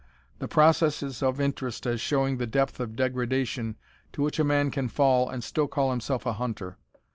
The process is of interest, as showing the depth of degradation to which a man can fall and still call himself a hunter.